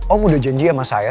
om udah janji sama saya